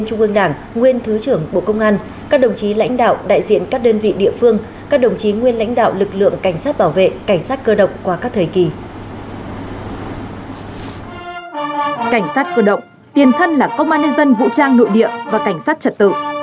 cảnh sát cơ động tiền thân là công an nhân dân vũ trang nội địa và cảnh sát trật tự